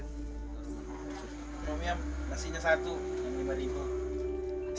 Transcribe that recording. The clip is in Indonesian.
sebelumnya nasinya satu yang rp lima